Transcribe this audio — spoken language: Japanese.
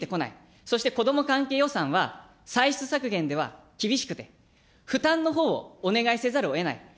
そして子ども関係予算は、歳出削減では厳しくて、負担のほうをお願いせざるをえない。